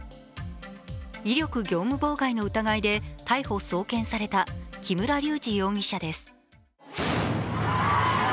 威力業務妨害の疑いで逮捕・送検された木村隆二容疑者です。